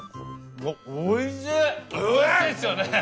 うえっ⁉おいしいですよね